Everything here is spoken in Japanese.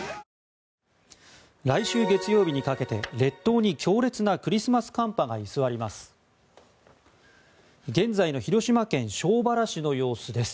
来週月曜日にかけて列島に強烈なクリスマス寒波が居座ります。